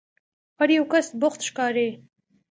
هر یو کس بوخت ښکاري.